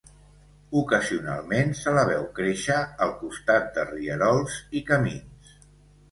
Ocasionalment se la veu créixer al costat de rierols i camins.